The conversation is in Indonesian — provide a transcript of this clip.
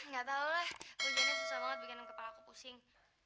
nggak tahu lah hujannya susah banget bikin kepala aku pusing